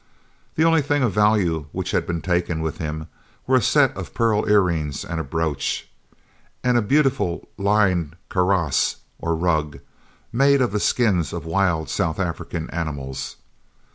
The only things of value which he had taken with him were a set of pearl ear rings and brooch, and a beautiful lined "kaross," or rug, made of the skins of wild South African animals.